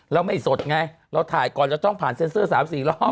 เราไม่สดไงเราถ่ายก่อนเราต้องผ่านเซ็นเซอร์๓๔รอบ